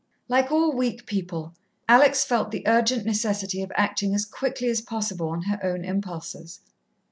Like all weak people, Alex felt the urgent necessity of acting as quickly as possible on her own impulses.